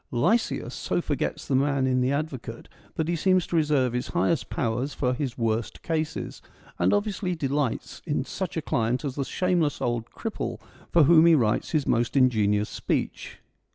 Lysias so forgets the man in the advocate that he seems to reserve his highest powers for his worst cases, and obviously delights in such a client as the shameless old cripple for whom he writes his most ingenious speech.